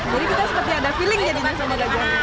jadi kita seperti ada feeling jadi nyeselnya gajahnya